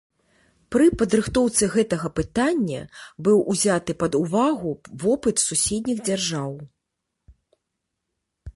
Пры падрыхтоўцы гэтага пытання быў узяты пад увагу вопыт суседніх дзяржаў.